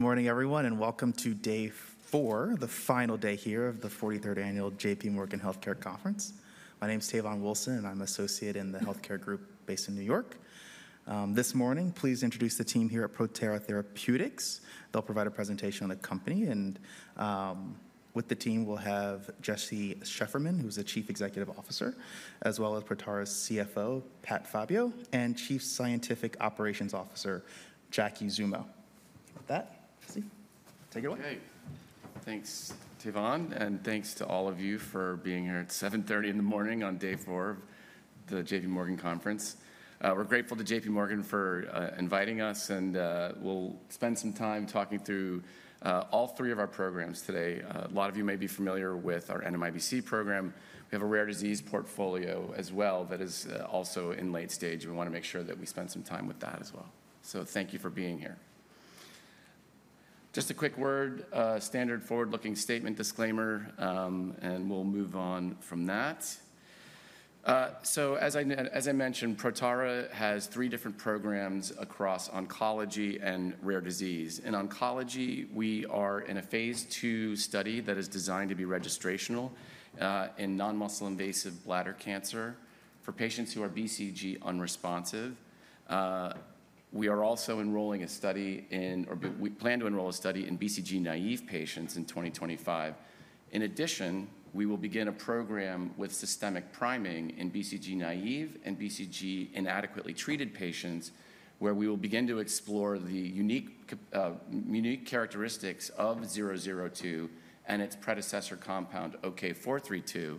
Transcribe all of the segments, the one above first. Morning, everyone, and welcome to day four, the final day here of the 43rd Annual J.P. Morgan Healthcare Conference. My name's Teyvon Wilson, and I'm an associate in the healthcare group based in New York. This morning, please introduce the team here at Protara Therapeutics. They'll provide a presentation on the company, and with the team, we'll have Jesse Shefferman, who's the Chief Executive Officer, as well as Protara's CFO, Pat Fabbio, and Chief Scientific Operations Officer, Jackie Zummo. With that, Jesse, take it away. Hey, thanks, Teyvon, and thanks to all of you for being here at 7:30 A.M. in the morning on day four of the J.P. Morgan Conference. We're grateful to J.P. Morgan for inviting us, and we'll spend some time talking through all three of our programs today. A lot of you may be familiar with our NMIBC program. We have a rare disease portfolio as well that is also in late stage. We want to make sure that we spend some time with that as well. So thank you for being here. Just a quick word, standard forward-looking statement, disclaimer, and we'll move on from that. So, as I mentioned, Protara has three different programs across oncology and rare disease. In oncology, we are in a phase two study that is designed to be registrational in non-muscle invasive bladder cancer for patients who are BCG-unresponsive. We are also enrolling a study in, or we plan to enroll a study in BCG naive patients in 2025. In addition, we will begin a program with systemic priming in BCG naive and BCG inadequately treated patients, where we will begin to explore the unique characteristics of 002 and its predecessor compound, OK-432,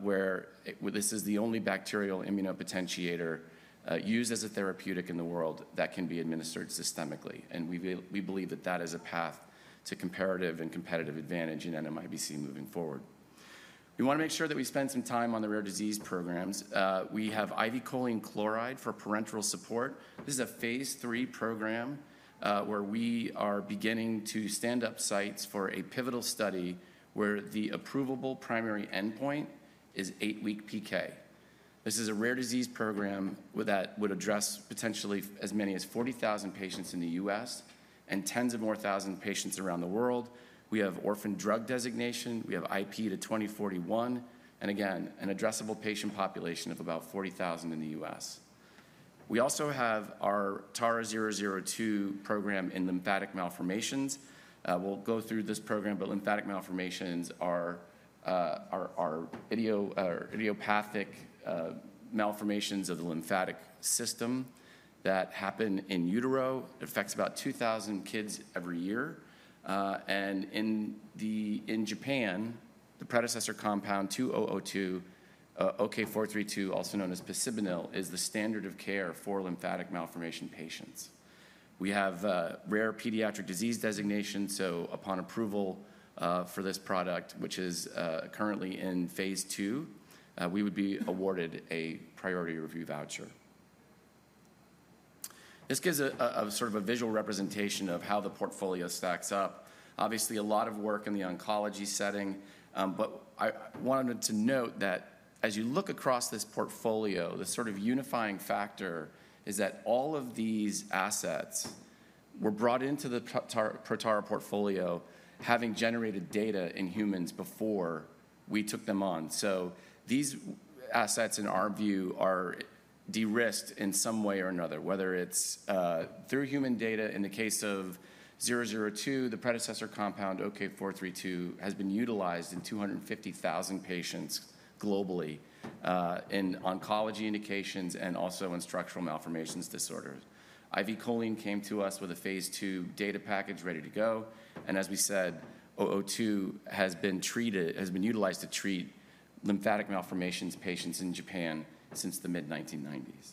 where this is the only bacterial immunopotentiator used as a therapeutic in the world that can be administered systemically, and we believe that that is a path to comparative and competitive advantage in NMIBC moving forward. We want to make sure that we spend some time on the rare disease programs. We have IV Choline Chloride for parenteral support. This is a phase three program where we are beginning to stand up sites for a pivotal study where the approvable primary endpoint is eight-week PK. This is a rare disease program that would address potentially as many as 40,000 patients in the U.S. and tens of more thousand patients around the world. We have orphan drug designation. We have IP to 2041, and again, an addressable patient population of about 40,000 in the U.S. We also have our TARA-002 program in lymphatic malformations. We'll go through this program, but lymphatic malformations are idiopathic malformations of the lymphatic system that happen in utero. It affects about 2,000 kids every year. And in Japan, the predecessor compound OK-432, also known as Picibanil, is the standard of care for lymphatic malformation patients. We have rare pediatric disease designation. So, upon approval for this product, which is currently in phase two, we would be awarded a priority review voucher. This gives a sort of a visual representation of how the portfolio stacks up. Obviously, a lot of work in the oncology setting, but I wanted to note that as you look across this portfolio, the sort of unifying factor is that all of these assets were brought into the Protara portfolio having generated data in humans before we took them on. These assets, in our view, are de-risked in some way or another, whether it's through human data. In the case of 002, the predecessor compound OK-432 has been utilized in 250,000 patients globally in oncology indications and also in structural malformations disorders. IV choline came to us with a phase 2 data package ready to go, and as we said, 002 has been utilized to treat lymphatic malformations patients in Japan since the mid-1990s.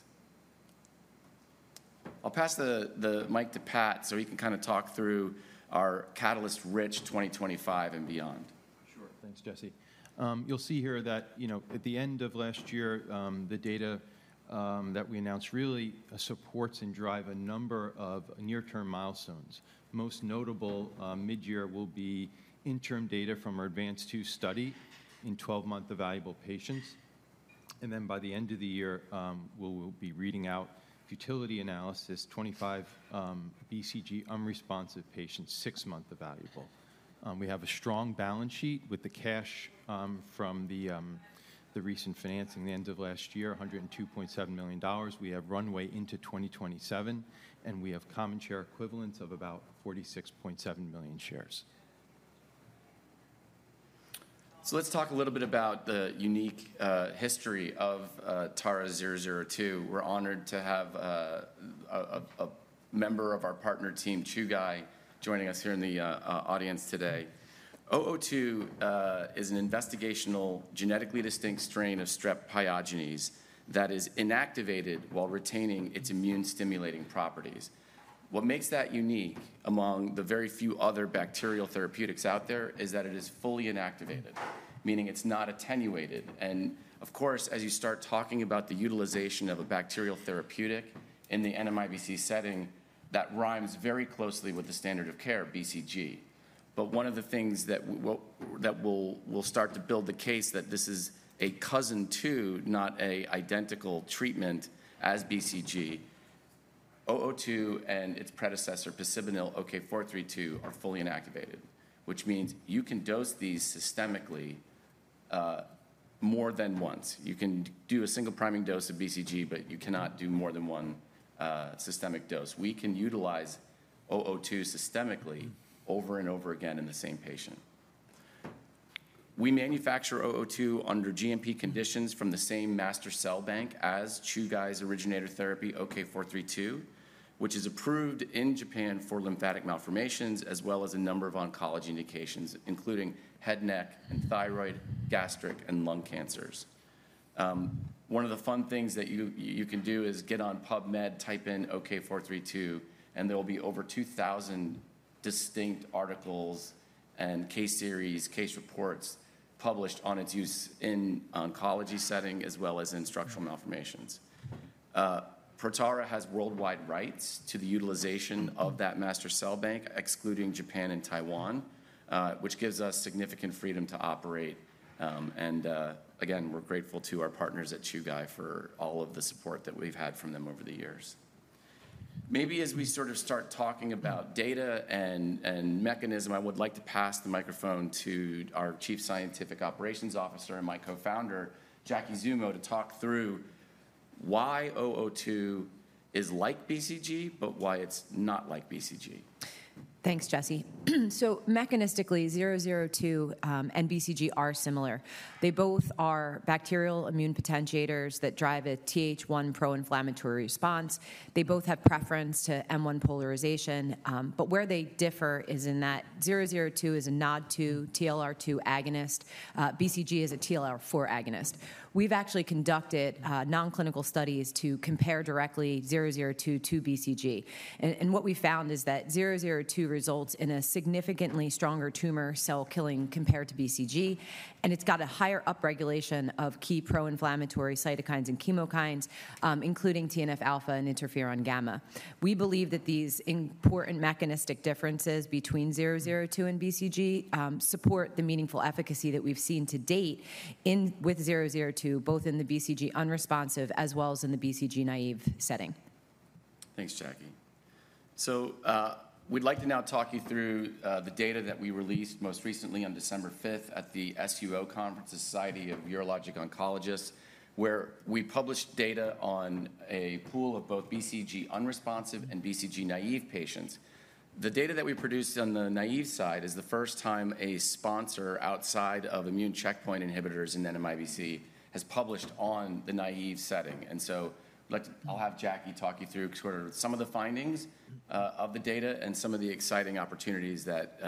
I'll pass the mic to Pat so he can kind of talk through our Catalyst Rich 2025 and beyond. Sure, thanks, Jesse. You'll see here that, you know, at the end of last year, the data that we announced really supports and drives a number of near-term milestones. Most notable mid-year will be interim data from our ADVANCED-2 study in 12-month evaluable patients. Then by the end of the year, we'll be reading out futility analysis, 25 BCG-unresponsive patients, six-month evaluable. We have a strong balance sheet with the cash from the recent financing at the end of last year, $102.7 million. We have runway into 2027, and we have common share equivalents of about 46.7 million shares. So, let's talk a little bit about the unique history of TARA-002. We're honored to have a member of our partner team, Chugai, joining us here in the audience today. TARA-002 is an investigational genetically distinct strain of Strep pyogenes that is inactivated while retaining its immune-stimulating properties. What makes that unique among the very few other bacterial therapeutics out there is that it is fully inactivated, meaning it's not attenuated. And of course, as you start talking about the utilization of a bacterial therapeutic in the NMIBC setting, that rhymes very closely with the standard of care, BCG. But one of the things that will start to build the case that this is a cousin too, not an identical treatment as BCG, TARA-002 and its predecessor, Picibanil OK-432, are fully inactivated, which means you can dose these systemically more than once. You can do a single priming dose of BCG, but you cannot do more than one systemic dose. We can utilize 002 systemically over and over again in the same patient. We manufacture 002 under GMP conditions from the same master cell bank as Chugai's originator therapy, OK-432, which is approved in Japan for lymphatic malformations, as well as a number of oncology indications, including head, neck, and thyroid, gastric, and lung cancers. One of the fun things that you can do is get on PubMed, type in OK-432, and there will be over 2,000 distinct articles and case series, case reports published on its use in oncology setting, as well as in structural malformations. Protara has worldwide rights to the utilization of that master cell bank, excluding Japan and Taiwan, which gives us significant freedom to operate. And again, we're grateful to our partners at Chugai for all of the support that we've had from them over the years. Maybe as we sort of start talking about data and mechanism, I would like to pass the microphone to our Chief Scientific Operations Officer and my co-founder, Jackie Zummo, to talk through why 002 is like BCG, but why it's not like BCG. Thanks, Jesse. So, mechanistically, 002 and BCG are similar. They both are bacterial immune potentiators that drive a TH1 pro-inflammatory response. They both have preference to M1 polarization. But where they differ is in that 002 is a NOD2 TLR2 agonist. BCG is a TLR4 agonist. We've actually conducted nonclinical studies to compare directly 002 to BCG. And what we found is that 002 results in a significantly stronger tumor cell killing compared to BCG, and it's got a higher upregulation of key pro-inflammatory cytokines and chemokines, including TNF alpha and interferon gamma. We believe that these important mechanistic differences between 002 and BCG support the meaningful efficacy that we've seen to date with 002, both in the BCG unresponsive as well as in the BCG naive setting. Thanks, Jackie. We'd like to now talk you through the data that we released most recently on December 5th at the SUO Conference, the Society of Urologic Oncology, where we published data on a pool of both BCG unresponsive and BCG naive patients. The data that we produced on the naive side is the first time a sponsor outside of immune checkpoint inhibitors in NMIBC has published on the naive setting, and so I'll have Jackie talk you through some of the findings of the data and some of the exciting opportunities that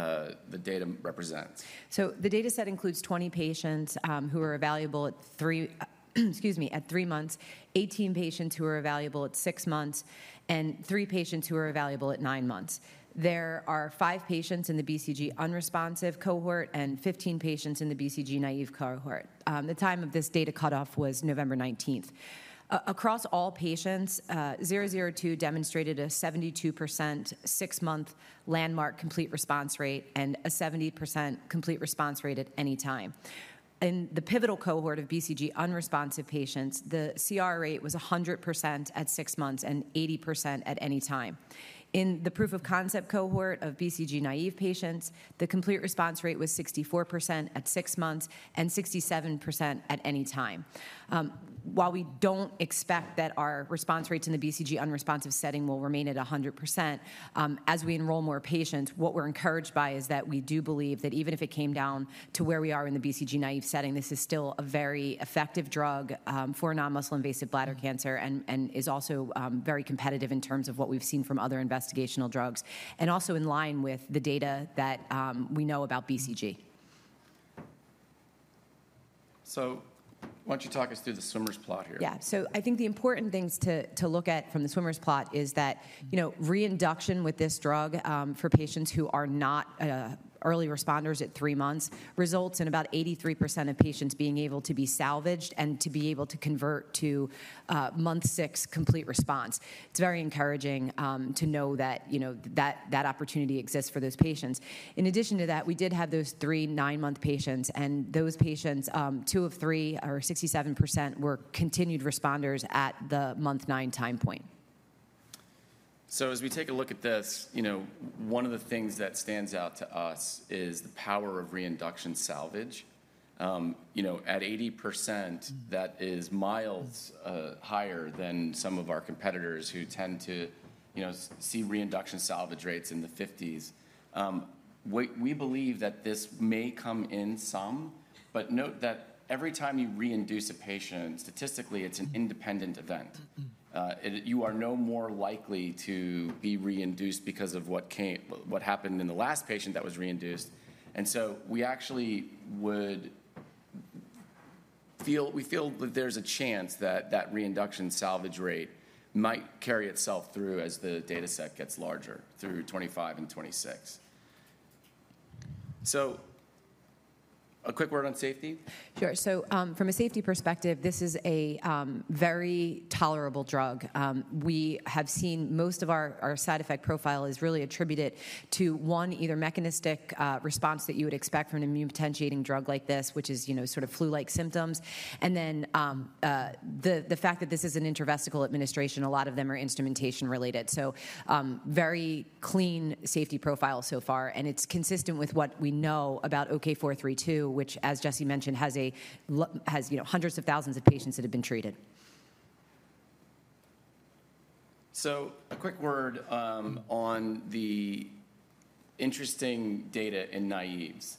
the data represents. The data set includes 20 patients who are evaluable at three, excuse me, at three months, 18 patients who are evaluable at six months, and three patients who are evaluable at nine months. There are five patients in the BCG-unresponsive cohort and 15 patients in the BCG-naive cohort. The time of this data cutoff was November 19th. Across all patients, 002 demonstrated a 72% six-month landmark complete response rate and a 70% complete response rate at any time. In the pivotal cohort of BCG-unresponsive patients, the CR rate was 100% at six months and 80% at any time. In the proof of concept cohort of BCG-naive patients, the complete response rate was 64% at six months and 67% at any time. While we don't expect that our response rates in the BCG-unresponsive setting will remain at 100%, as we enroll more patients, what we're encouraged by is that we do believe that even if it came down to where we are in the BCG-naive setting, this is still a very effective drug for non-muscle-invasive bladder cancer and is also very competitive in terms of what we've seen from other investigational drugs and also in line with the data that we know about BCG. So, why don't you talk us through the swimmers plot here? Yeah, so I think the important things to look at from the Swimmer's plot is that, you know, reinduction with this drug for patients who are not early responders at three months results in about 83% of patients being able to be salvaged and to be able to convert to month-six complete response. It's very encouraging to know that, you know, that opportunity exists for those patients. In addition to that, we did have those three nine-month patients, and those patients, two of three or 67% were continued responders at the month-nine time point. So, as we take a look at this, you know, one of the things that stands out to us is the power of reinduction salvage. You know, at 80%, that is miles higher than some of our competitors who tend to, you know, see reinduction salvage rates in the 50s. We believe that this may come in some, but note that every time you reinduce a patient, statistically, it's an independent event. You are no more likely to be reinduced because of what happened in the last patient that was reinduced. And so, we actually would feel, we feel that there's a chance that that reinduction salvage rate might carry itself through as the data set gets larger through 2025 and 2026. A quick word on safety? Sure. So, from a safety perspective, this is a very tolerable drug. We have seen most of our side effect profile is really attributed to, one, either mechanistic response that you would expect from an immune-potentiating drug like this, which is, you know, sort of flu-like symptoms. And then the fact that this is an intravesical administration, a lot of them are instrumentation related. So, very clean safety profile so far, and it's consistent with what we know about OK-432, which, as Jesse mentioned, has hundreds of thousands of patients that have been treated. A quick word on the interesting data in naives.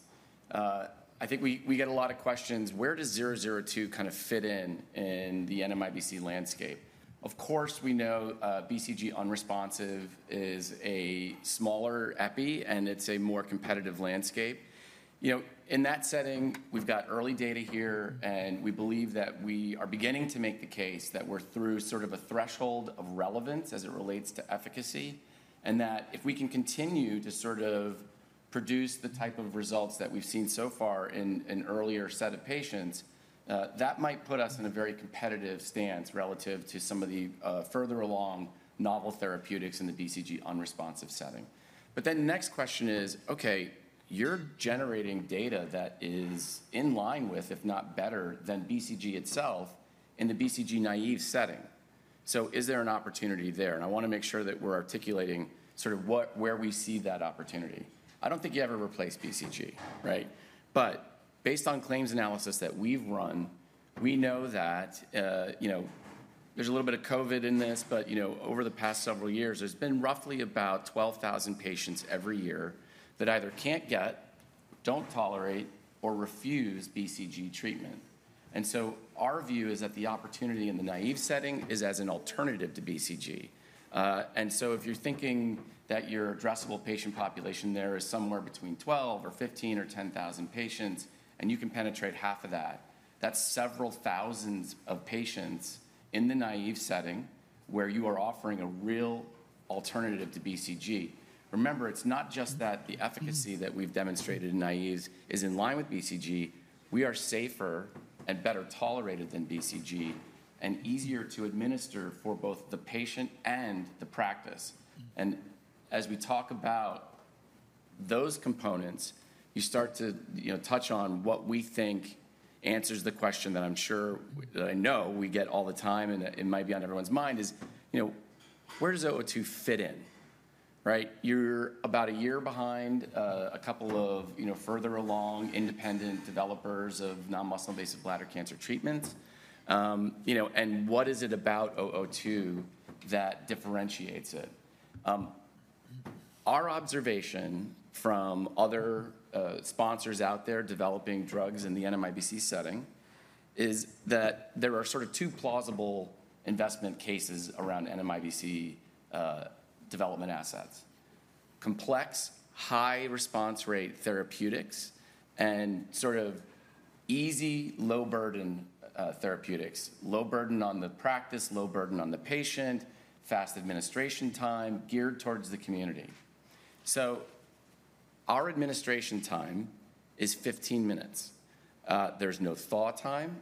I think we get a lot of questions, where does 002 kind of fit in in the NMIBC landscape? Of course, we know BCG unresponsive is a smaller EPI, and it's a more competitive landscape. You know, in that setting, we've got early data here, and we believe that we are beginning to make the case that we're through sort of a threshold of relevance as it relates to efficacy, and that if we can continue to sort of produce the type of results that we've seen so far in an earlier set of patients, that might put us in a very competitive stance relative to some of the further along novel therapeutics in the BCG unresponsive setting. But then the next question is, okay, you're generating data that is in line with, if not better than BCG itself in the BCG naive setting. So, is there an opportunity there? And I want to make sure that we're articulating sort of where we see that opportunity. I don't think you ever replace BCG, right? But based on claims analysis that we've run, we know that, you know, there's a little bit of COVID in this, but, you know, over the past several years, there's been roughly about 12,000 patients every year that either can't get, don't tolerate, or refuse BCG treatment. And so, our view is that the opportunity in the naive setting is as an alternative to BCG. And so, if you're thinking that your addressable patient population there is somewhere between 12 or 15 or 10,000 patients, and you can penetrate half of that, that's several thousands of patients in the naive setting where you are offering a real alternative to BCG. Remember, it's not just that the efficacy that we've demonstrated in naives is in line with BCG. We are safer and better tolerated than BCG and easier to administer for both the patient and the practice. And as we talk about those components, you start to, you know, touch on what we think answers the question that I'm sure that I know we get all the time, and it might be on everyone's mind is, you know, where does 002 fit in, right? You're about a year behind a couple of, you know, further along independent developers of non-muscle invasive bladder cancer treatments. You know, and what is it about 002 that differentiates it? Our observation from other sponsors out there developing drugs in the NMIBC setting is that there are sort of two plausible investment cases around NMIBC development assets: complex high response rate therapeutics and sort of easy low burden therapeutics, low burden on the practice, low burden on the patient, fast administration time geared towards the community. So, our administration time is 15 minutes. There's no thaw time.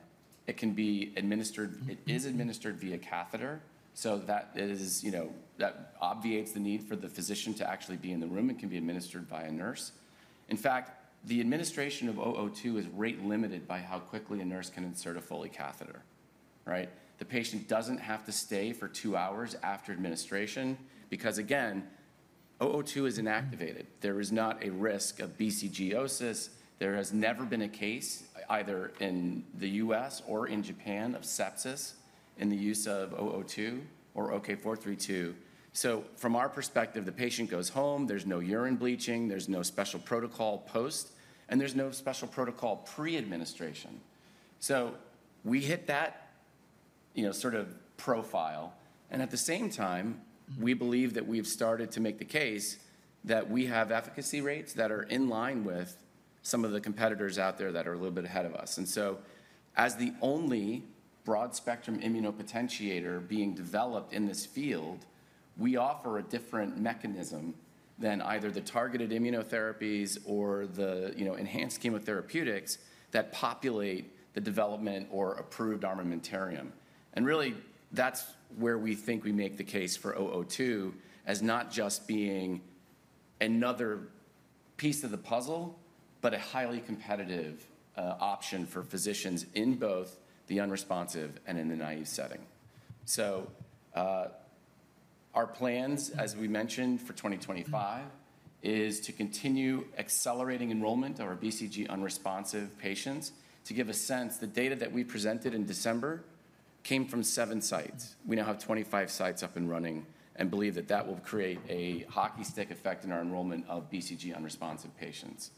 It can be administered, it is administered via catheter. So that is, you know, that obviates the need for the physician to actually be in the room and can be administered by a nurse. In fact, the administration of 002 is rate limited by how quickly a nurse can insert a Foley catheter, right? The patient doesn't have to stay for two hours after administration because, again, 002 is inactivated. There is not a risk of BCG-osis. There has never been a case, either in the U.S. or in Japan, of sepsis in the use of 002 or OK-432. So, from our perspective, the patient goes home, there's no urine bleaching, there's no special protocol post, and there's no special protocol pre-administration. So, we hit that, you know, sort of profile. And at the same time, we believe that we've started to make the case that we have efficacy rates that are in line with some of the competitors out there that are a little bit ahead of us. And so, as the only broad spectrum immunopotentiator being developed in this field, we offer a different mechanism than either the targeted immunotherapies or the, you know, enhanced chemotherapeutics that populate the development or approved armamentarium. Really, that's where we think we make the case for 002 as not just being another piece of the puzzle, but a highly competitive option for physicians in both the unresponsive and in the naive setting. Our plans, as we mentioned for 2025, is to continue accelerating enrollment of our BCG unresponsive patients to give a sense. The data that we presented in December came from seven sites. We now have 25 sites up and running and believe that that will create a hockey stick effect in our enrollment of BCG unresponsive patients.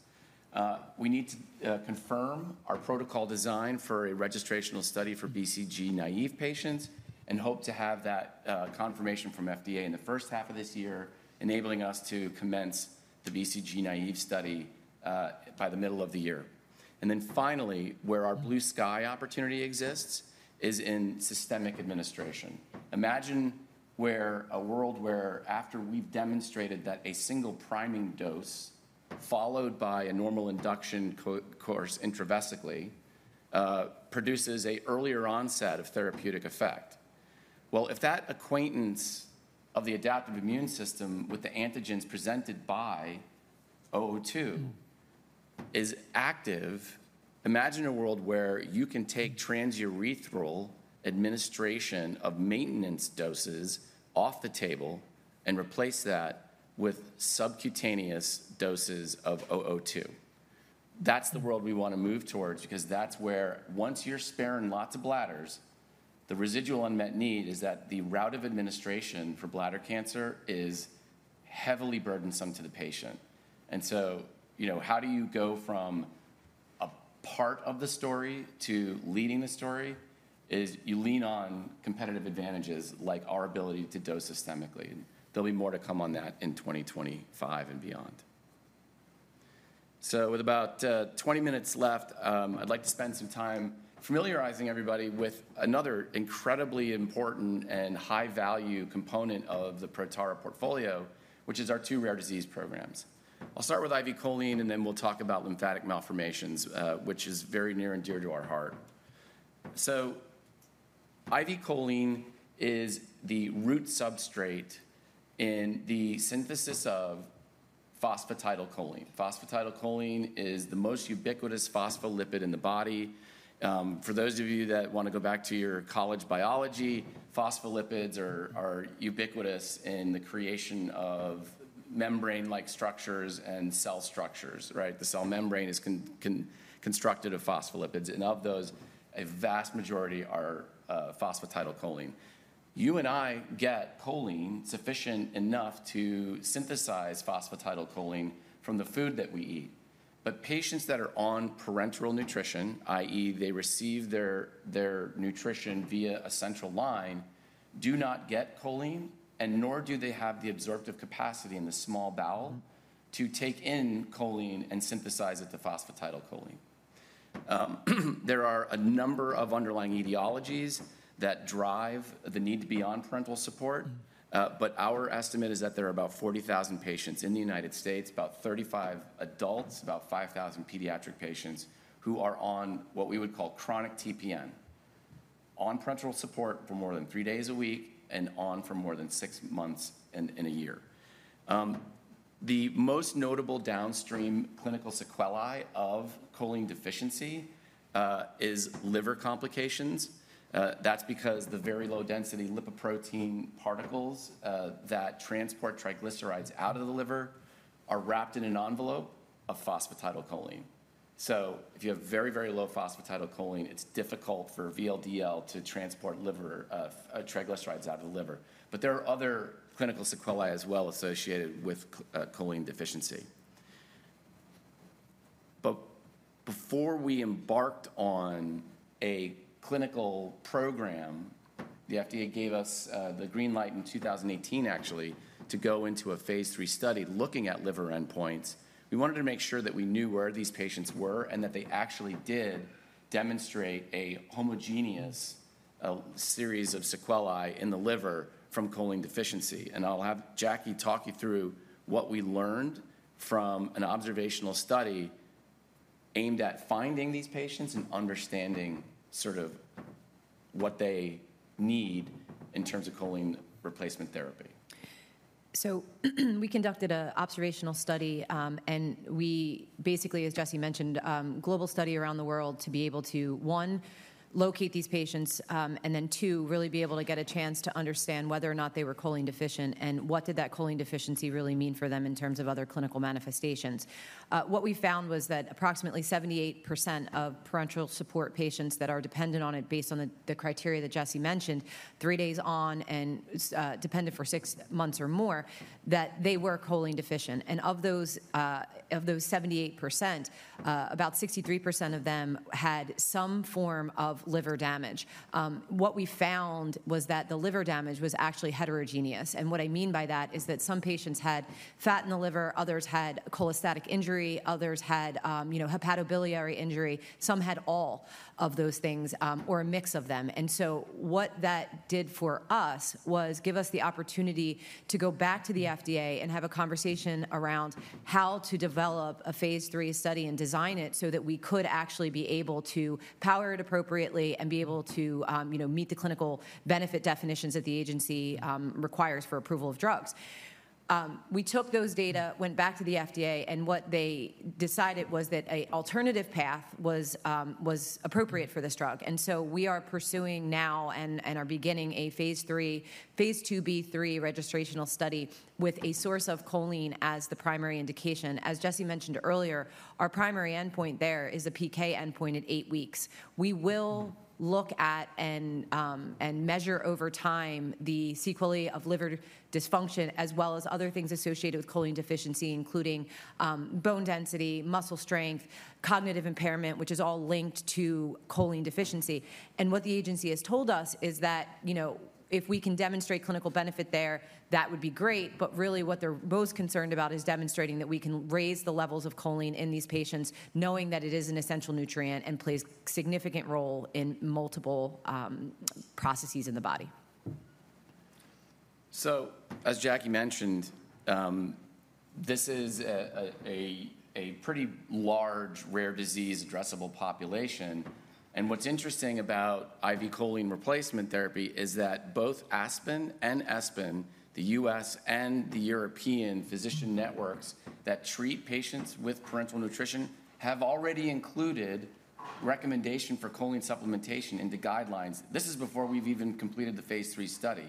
We need to confirm our protocol design for a registrational study for BCG naive patients and hope to have that confirmation from FDA in the first half of this year, enabling us to commence the BCG naive study by the middle of the year. Finally, where our blue sky opportunity exists is in systemic administration. Imagine a world where after we've demonstrated that a single priming dose followed by a normal induction course intravesically produces an earlier onset of therapeutic effect. If that acquaintance of the adaptive immune system with the antigens presented by 002 is active, imagine a world where you can take transurethral administration of maintenance doses off the table and replace that with subcutaneous doses of 002. That's the world we want to move towards because that's where once you're sparing lots of bladders, the residual unmet need is that the route of administration for bladder cancer is heavily burdensome to the patient. You know, how do you go from a part of the story to leading the story is you lean on competitive advantages like our ability to dose systemically. There'll be more to come on that in 2025 and beyond. So, with about 20 minutes left, I'd like to spend some time familiarizing everybody with another incredibly important and high-value component of the Protara portfolio, which is our two rare disease programs. I'll start with IV choline, and then we'll talk about lymphatic malformations, which is very near and dear to our heart. So, IV choline is the root substrate in the synthesis of phosphatidylcholine. Phosphatidylcholine is the most ubiquitous phospholipid in the body. For those of you that want to go back to your college biology, phospholipids are ubiquitous in the creation of membrane-like structures and cell structures, right? The cell membrane is constructed of phospholipids, and of those, a vast majority are phosphatidylcholine. You and I get choline sufficient enough to synthesize phosphatidylcholine from the food that we eat. But patients that are on parenteral nutrition, i.e., they receive their nutrition via a central line, do not get choline, and nor do they have the absorptive capacity in the small bowel to take in choline and synthesize it to phosphatidylcholine. There are a number of underlying etiologies that drive the need to be on parenteral support, but our estimate is that there are about 40,000 patients in the United States, about 35,000 adults, about 5,000 pediatric patients who are on what we would call chronic TPN, on parenteral support for more than three days a week and on for more than six months in a year. The most notable downstream clinical sequelae of choline deficiency is liver complications. That's because the very low-density lipoprotein particles that transport triglycerides out of the liver are wrapped in an envelope of phosphatidylcholine. If you have very, very low phosphatidylcholine, it's difficult for VLDL to transport liver triglycerides out of the liver. But there are other clinical sequelae as well associated with choline deficiency. But before we embarked on a clinical program, the FDA gave us the green light in 2018, actually, to go into a phase three study looking at liver endpoints. We wanted to make sure that we knew where these patients were and that they actually did demonstrate a homogeneous series of sequelae in the liver from choline deficiency. I'll have Jackie talk you through what we learned from an observational study aimed at finding these patients and understanding sort of what they need in terms of choline replacement therapy. We conducted an observational study, and we basically, as Jesse mentioned, a global study around the world to be able to, one, locate these patients, and then two, really be able to get a chance to understand whether or not they were choline deficient and what did that choline deficiency really mean for them in terms of other clinical manifestations. What we found was that approximately 78% of parenteral support patients that are dependent on it based on the criteria that Jesse mentioned, three days on and dependent for six months or more, that they were choline deficient. Of those 78%, about 63% of them had some form of liver damage. What we found was that the liver damage was actually heterogeneous. What I mean by that is that some patients had fat in the liver, others had cholestatic injury, others had, you know, hepatobiliary injury, some had all of those things or a mix of them. So, what that did for us was give us the opportunity to go back to the FDA and have a conversation around how to develop a phase 3 study and design it so that we could actually be able to power it appropriately and be able to, you know, meet the clinical benefit definitions that the agency requires for approval of drugs. We took those data, went back to the FDA, and what they decided was that an alternative path was appropriate for this drug. So, we are pursuing now and are beginning a phase 3, phase 2/3 registrational study with a source of choline as the primary indication. As Jesse mentioned earlier, our primary endpoint there is a PK endpoint at eight weeks. We will look at and measure over time the sequelae of liver dysfunction as well as other things associated with choline deficiency, including bone density, muscle strength, cognitive impairment, which is all linked to choline deficiency, and what the agency has told us is that, you know, if we can demonstrate clinical benefit there, that would be great, but really, what they're most concerned about is demonstrating that we can raise the levels of choline in these patients, knowing that it is an essential nutrient and plays a significant role in multiple processes in the body. As Jackie mentioned, this is a pretty large rare disease addressable population. What's interesting about IV choline replacement therapy is that both ASPEN and ESPEN, the U.S. and the European physician networks that treat patients with parenteral nutrition have already included recommendations for choline supplementation into guidelines. This is before we've even completed the phase three study.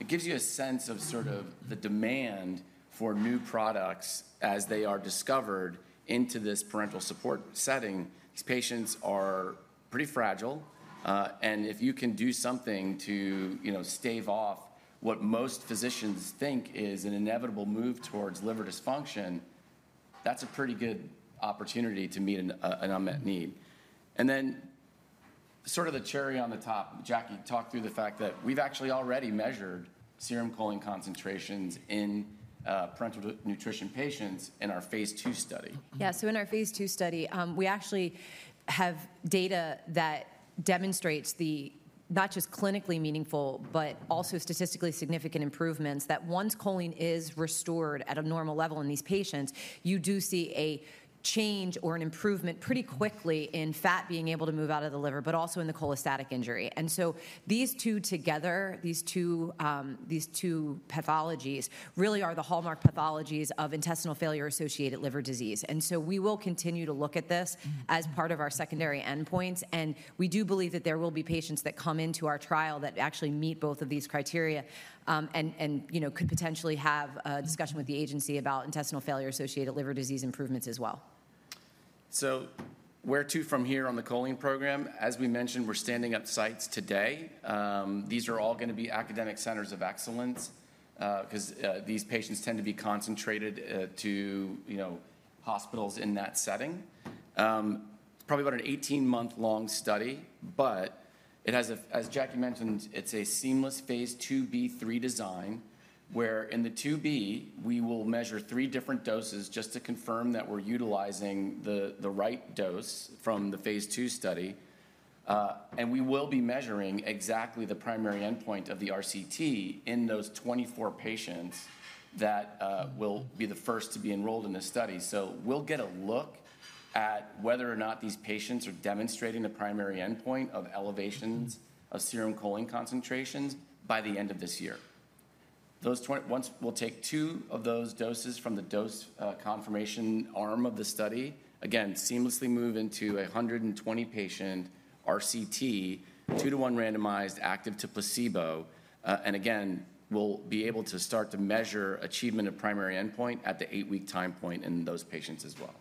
It gives you a sense of sort of the demand for new products as they are discovered into this parenteral support setting. These patients are pretty fragile, and if you can do something to, you know, stave off what most physicians think is an inevitable move towards liver dysfunction, that's a pretty good opportunity to meet an unmet need. Then sort of the cherry on the top, Jackie talked through the fact that we've actually already measured serum choline concentrations in parenteral nutrition patients in our phase two study. Yeah, so in our phase 2 study, we actually have data that demonstrates the not just clinically meaningful, but also statistically significant improvements that once choline is restored at a normal level in these patients, you do see a change or an improvement pretty quickly in fat being able to move out of the liver, but also in the cholestatic injury. And so, these two together, these two pathologies really are the hallmark pathologies of intestinal failure-associated liver disease. And so, we will continue to look at this as part of our secondary endpoints, and we do believe that there will be patients that come into our trial that actually meet both of these criteria and, you know, could potentially have a discussion with the agency about intestinal failure-associated liver disease improvements as well. So, where to from here on the choline program? As we mentioned, we're standing up sites today. These are all going to be academic centers of excellence because these patients tend to be concentrated to, you know, hospitals in that setting. It's probably about an 18-month-long study, but it has, as Jackie mentioned, it's a seamless phase 2b/3 design where in the 2b, we will measure three different doses just to confirm that we're utilizing the right dose from the phase 2 study. And we will be measuring exactly the primary endpoint of the RCT in those 24 patients that will be the first to be enrolled in this study. So, we'll get a look at whether or not these patients are demonstrating the primary endpoint of elevations of serum choline concentrations by the end of this year. Once, we'll take two of those doses from the dose confirmation arm of the study, again, seamlessly move into a 120-patient RCT, two-to-one randomized active to placebo, and again, we'll be able to start to measure achievement of primary endpoint at the eight-week time point in those patients as well,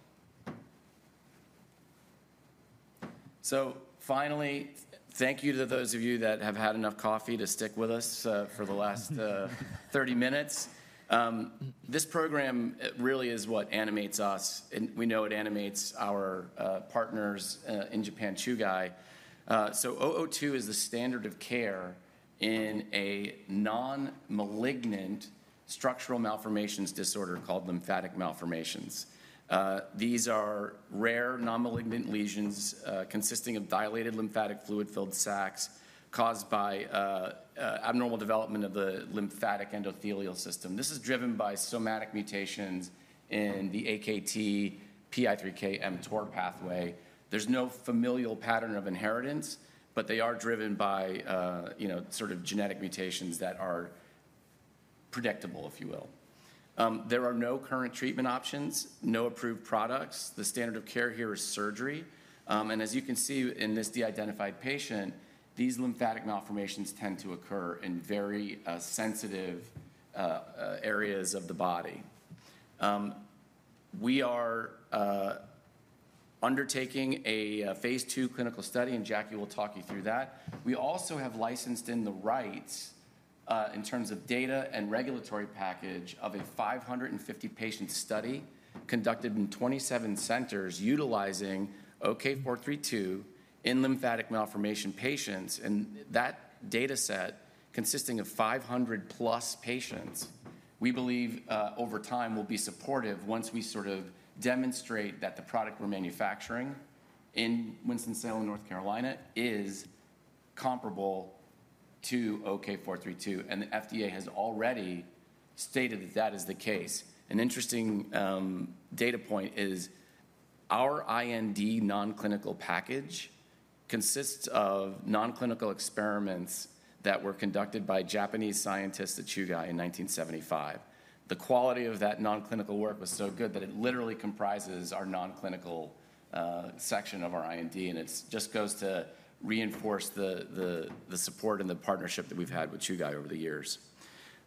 so finally, thank you to those of you that have had enough coffee to stick with us for the last 30 minutes. This program really is what animates us, and we know it animates our partners in Japan, Chugai, so OK-432 is the standard of care in a non-malignant structural malformations disorder called lymphatic malformations. These are rare non-malignant lesions consisting of dilated lymphatic fluid-filled sacs caused by abnormal development of the lymphatic endothelial system. This is driven by somatic mutations in the AKT PI3K-mTOR pathway. There's no familial pattern of inheritance, but they are driven by, you know, sort of genetic mutations that are predictable, if you will. There are no current treatment options, no approved products. The standard of care here is surgery, and as you can see in this de-identified patient, these lymphatic malformations tend to occur in very sensitive areas of the body. We are undertaking a phase two clinical study, and Jackie will talk you through that. We also have licensed in the rights in terms of data and regulatory package of a 550-patient study conducted in 27 centers utilizing OK-432 in lymphatic malformation patients, and that data set consisting of 500-plus patients, we believe over time will be supportive once we sort of demonstrate that the product we're manufacturing in Winston-Salem, North Carolina, is comparable to OK-432, and the FDA has already stated that that is the case. An interesting data point is our IND non-clinical package consists of non-clinical experiments that were conducted by Japanese scientists at Chugai in 1975. The quality of that non-clinical work was so good that it literally comprises our non-clinical section of our IND, and it just goes to reinforce the support and the partnership that we've had with Chugai over the years.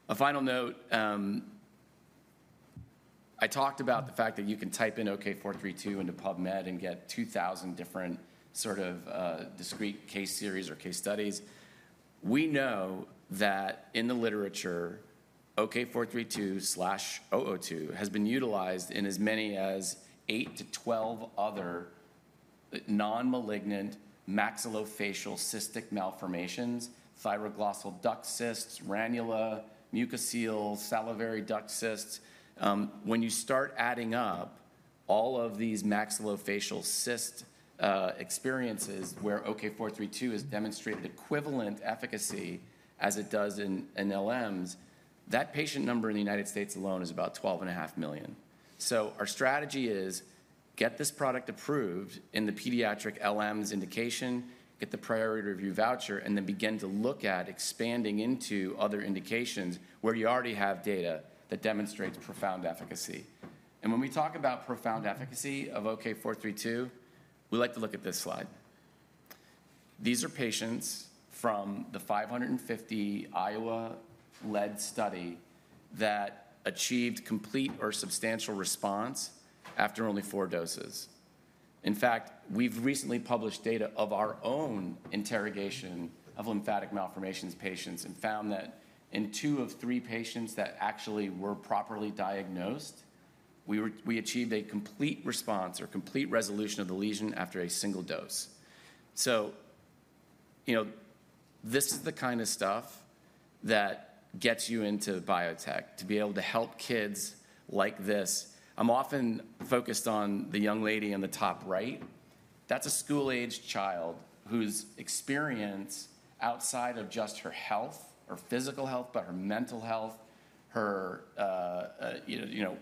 A final note, I talked about the fact that you can type in OK-432 into PubMed and get 2,000 different sort of discrete case series or case studies. We know that in the literature, OK-432/002 has been utilized in as many as 8 to 12 other non-malignant maxillofacial cystic malformations, thyroglossal duct cysts, ranula, mucocele, salivary duct cysts. When you start adding up all of these maxillofacial cyst experiences where OK-432 has demonstrated equivalent efficacy as it does in LMs, that patient number in the United States alone is about 12.5 million. So, our strategy is get this product approved in the pediatric LMs indication, get the priority review voucher, and then begin to look at expanding into other indications where you already have data that demonstrates profound efficacy. And when we talk about profound efficacy of OK-432, we like to look at this slide. These are patients from the 550 Iowa-led study that achieved complete or substantial response after only four doses. In fact, we've recently published data of our own interrogation of lymphatic malformations patients and found that in two of three patients that actually were properly diagnosed, we achieved a complete response or complete resolution of the lesion after a single dose. So, you know, this is the kind of stuff that gets you into biotech to be able to help kids like this. I'm often focused on the young lady on the top right. That's a school-aged child whose experience outside of just her health, her physical health, but her mental health, her, you know,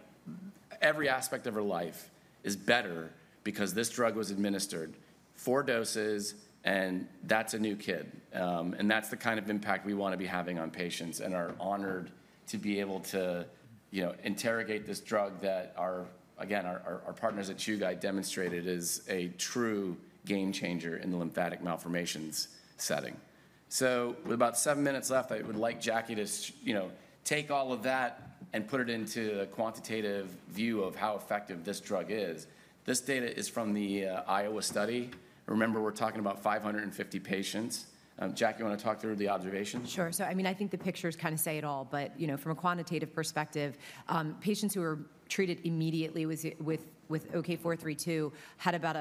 every aspect of her life is better because this drug was administered four doses, and that's a new kid. And that's the kind of impact we want to be having on patients and are honored to be able to, you know, interrogate this drug that our, again, our partners at Chugai demonstrated is a true game changer in the lymphatic malformations setting. So, with about seven minutes left, I would like Jackie to, you know, take all of that and put it into a quantitative view of how effective this drug is. This data is from the Iowa study. Remember, we're talking about 550 patients. Jackie, you want to talk through the observation? Sure. So, I mean, I think the pictures kind of say it all, but, you know, from a quantitative perspective, patients who were treated immediately with OK-432 had about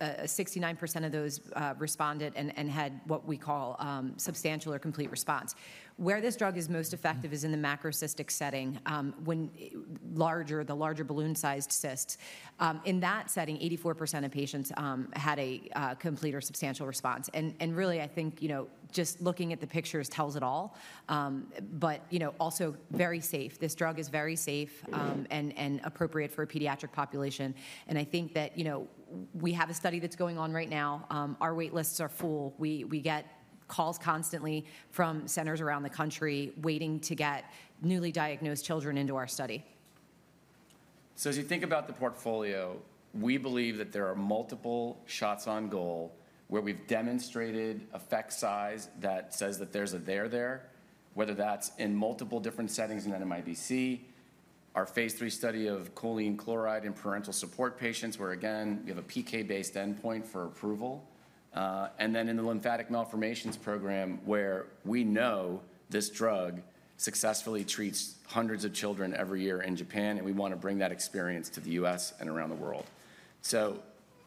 69% of those responded and had what we call substantial or complete response. Where this drug is most effective is in the macrocystic setting, when larger, the larger balloon-sized cysts. In that setting, 84% of patients had a complete or substantial response. And really, I think, you know, just looking at the pictures tells it all, but, you know, also very safe. This drug is very safe and appropriate for a pediatric population. And I think that, you know, we have a study that's going on right now. Our waitlists are full. We get calls constantly from centers around the country waiting to get newly diagnosed children into our study. As you think about the portfolio, we believe that there are multiple shots on goal where we've demonstrated effect size that says that there's a there there, whether that's in multiple different settings in NMIBC, our phase 3 study of choline chloride in parenteral support patients where, again, you have a PK-based endpoint for approval, and then in the lymphatic malformations program where we know this drug successfully treats hundreds of children every year in Japan, and we want to bring that experience to the U.S. and around the world.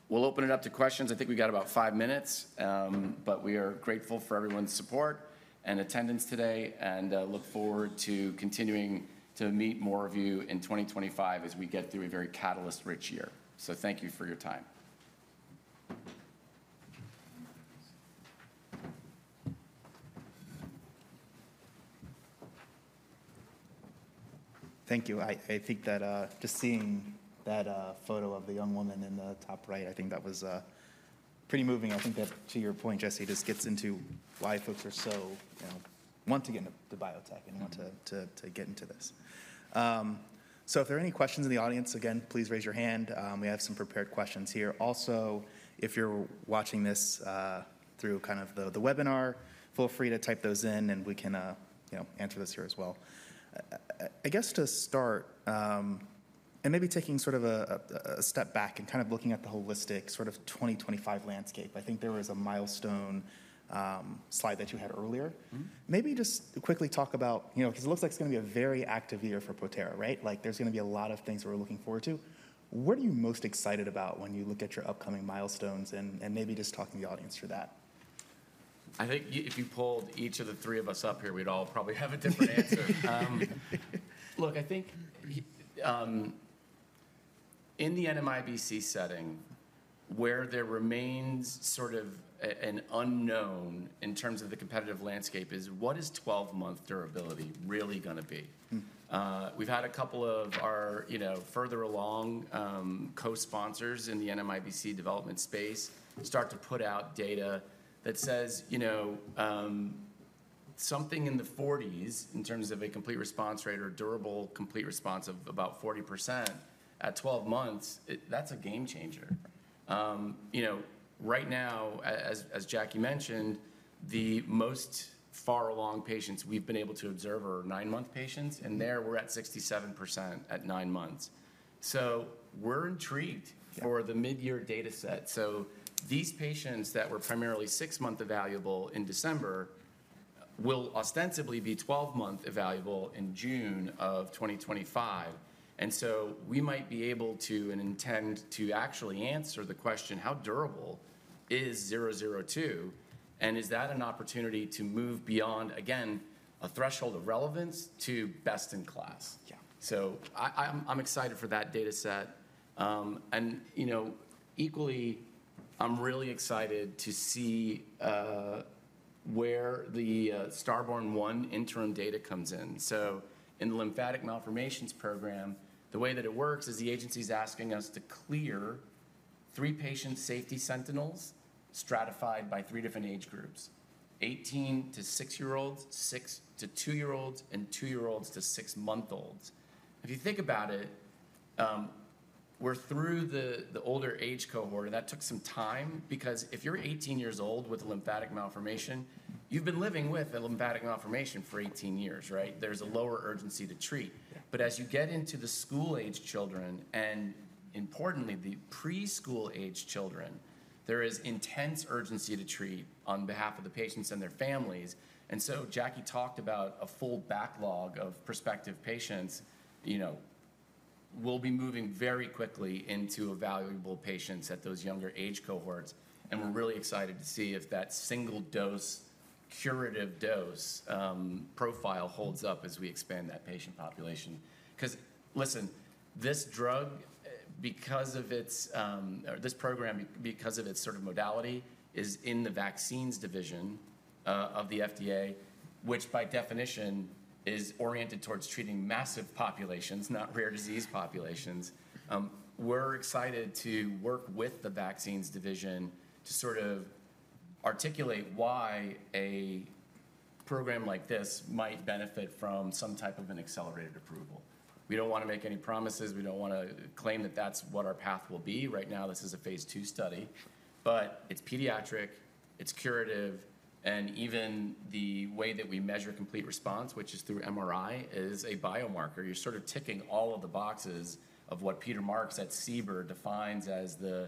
We'll open it up to questions. I think we've got about five minutes, but we are grateful for everyone's support and attendance today and look forward to continuing to meet more of you in 2025 as we get through a very catalyst-rich year. Thank you for your time. Thank you. I think that just seeing that photo of the young woman in the top right, I think that was pretty moving. I think that to your point, Jesse, this gets into why folks are so, you know, want to get into biotech and want to get into this. So, if there are any questions in the audience, again, please raise your hand. We have some prepared questions here. Also, if you're watching this through kind of the webinar, feel free to type those in, and we can, you know, answer this here as well. I guess to start, and maybe taking sort of a step back and kind of looking at the holistic sort of 2025 landscape, I think there was a milestone slide that you had earlier. Maybe just quickly talk about, you know, because it looks like it's going to be a very active year for Protara, right? Like there's going to be a lot of things we're looking forward to. What are you most excited about when you look at your upcoming milestones and maybe just talking to the audience through that? I think if you pulled each of the three of us up here, we'd all probably have a different answer. Look, I think in the NMIBC setting, where there remains sort of an unknown in terms of the competitive landscape is what is 12-month durability really going to be? We've had a couple of our, you know, further along co-sponsors in the NMIBC development space start to put out data that says, you know, something in the 40s in terms of a complete response rate or durable complete response of about 40% at 12 months, that's a game changer. You know, right now, as Jackie mentioned, the most far along patients we've been able to observe are nine-month patients, and there we're at 67% at nine months. So, we're intrigued for the mid-year data set. These patients that were primarily six-month evaluable in December will ostensibly be 12-month evaluable in June of 2025. And so, we might be able to and intend to actually answer the question, how durable is 002? And is that an opportunity to move beyond, again, a threshold of relevance to best in class? Yeah. So, I'm excited for that data set. And, you know, equally, I'm really excited to see where the STARBORN-1 interim data comes in. So, in the lymphatic malformations program, the way that it works is the agency's asking us to clear three patient safety sentinels stratified by three different age groups: 18- to six-year-olds, six- to two-year-olds, and two-year-olds to six-month-olds. If you think about it, we're through the older age cohort, and that took some time because if you're 18 years old with a lymphatic malformation, you've been living with a lymphatic malformation for 18 years, right? There's a lower urgency to treat, but as you get into the school-aged children and importantly, the preschool-aged children, there is intense urgency to treat on behalf of the patients and their families, and so Jackie talked about a full backlog of prospective patients, you know, we'll be moving very quickly into evaluable patients at those younger age cohorts, and we're really excited to see if that single dose curative dose profile holds up as we expand that patient population. Because listen, this drug, because of its, or this program, because of its sort of modality, is in the vaccines division of the FDA, which by definition is oriented towards treating massive populations, not rare disease populations. We're excited to work with the vaccines division to sort of articulate why a program like this might benefit from some type of an accelerated approval. We don't want to make any promises. We don't want to claim that that's what our path will be. Right now, this is a phase two study, but it's pediatric, it's curative, and even the way that we measure complete response, which is through MRI, is a biomarker. You're sort of ticking all of the boxes of what Peter Marks at CBER defines as the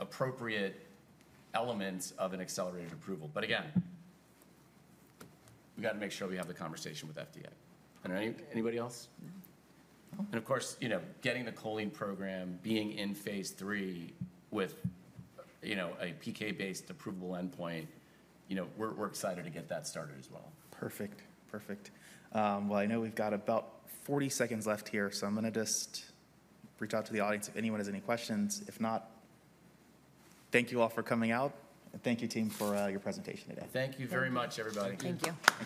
appropriate elements of an accelerated approval. But again, we got to make sure we have the conversation with FDA. And anybody else? Of course, you know, getting the choline program, being in phase three with, you know, a PK-based approval endpoint, you know, we're excited to get that started as well. Perfect. Perfect. I know we've got about 40 seconds left here, so I'm going to just reach out to the audience if anyone has any questions. If not, thank you all for coming out, and thank you, team, for your presentation today. Thank you very much, everybody. Thank you.